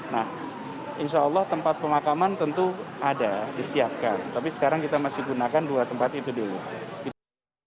nah insya allah tempat pemakaman tentu ada disiapkan tapi sekarang kita masih gunakan dua tempat itu dulu